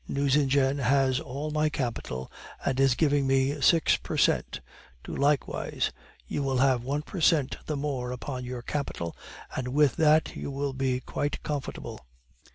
Nucingen has all my capital, and is giving me six per cent; do likewise, you will have one per cent the more upon your capital, and with that you will be quite comfortable.